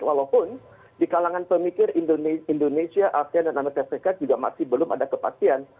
walaupun di kalangan pemikir indonesia asean dan amerika serikat juga masih belum ada kepastian